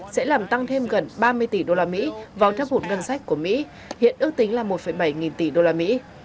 sẽ làm tăng thêm gần ba mươi tỷ đô la mỹ vào thấp hụt ngân sách của mỹ hiện ước tính là một bảy nghìn tỷ đô la mỹ